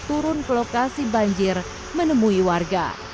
turun ke lokasi banjir menemui warga